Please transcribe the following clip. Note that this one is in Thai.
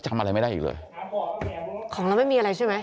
ไม่มีไง